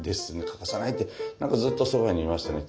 欠かさないって何かずっとそばにいましたね。